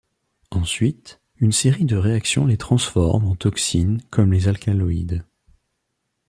Ensuite, une série de réactions les transforment en toxines comme les alcaloïdes.